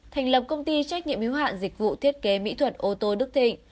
thành lập công ty trách nhiệm hiếu hạn dịch vụ thiết kế mỹ thuật ô tô đức thịnh